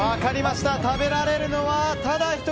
食べられるのは、ただ１人。